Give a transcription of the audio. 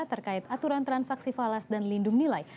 terkait aturan transaksi falas dan lindung nilai